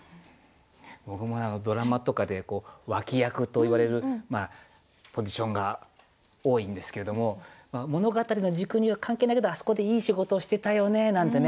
僕もドラマとかで脇役といわれるポジションが多いんですけれども物語の軸には関係ないけどあそこでいい仕事してたよねなんてね